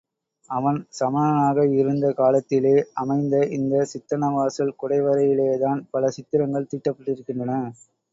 அவன் சமணனாக இருந்த காலத்திலே அமைந்த இந்த சித்தன்னவாசல் குடைவரையிலே தான் பல சித்திரங்கள் தீட்டப்பட்டிருக்கின்றன.